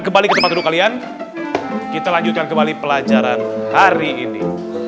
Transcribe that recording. kembali ke tempat duduk kalian kita lanjutkan kembali pelajaran hari ini